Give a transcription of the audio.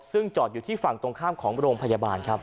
ซึ่งจอดอยู่ที่ฝั่งตรงข้ามของโรงพยาบาลครับ